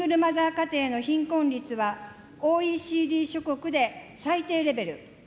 家庭の貧困率はＯＥＣＤ諸国で最低レベル。